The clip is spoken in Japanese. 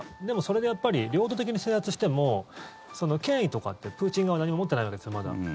でも、それでやっぱり領土的に制圧しても権威とかってプーチン側は何も持ってないわけです、まだ。